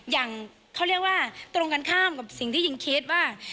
อย่างเขาเรียกว่าตรงกันข้ามกับสิ่งที่หญิงคิดว่า